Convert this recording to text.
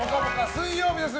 水曜日です。